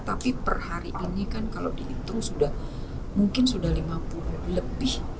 tapi per hari ini kan kalau dihitung sudah mungkin sudah lima puluh lebih